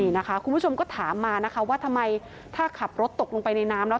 นี่นะคะคุณผู้ชมก็ถามมานะคะว่าทำไมถ้าขับรถตกลงไปในน้ำแล้ว